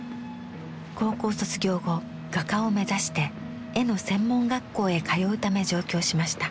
高校卒業後画家を目指して絵の専門学校へ通うため上京しました。